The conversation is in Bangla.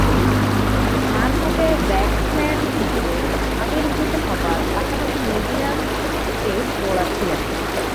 মারকুটে ব্যাটসম্যান হিসেবে আবির্ভূত হবার পাশাপাশি মিডিয়াম পেস বোলার ছিলেন।